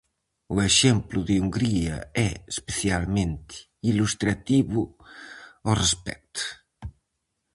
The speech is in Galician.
O exemplo de Hungría é especialmente ilustrativo ao respecto.